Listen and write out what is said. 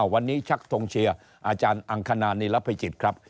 วันนี้ชักทงเชียร์อาจารย์อังคณานีรภัยจิตครับ